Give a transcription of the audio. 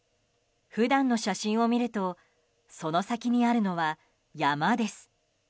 普段の写真を見るとその先にあるのは、山です。